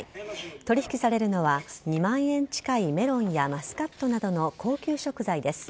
取り引きされるのは、２万円近いメロンやマスカットなどの高級食材です。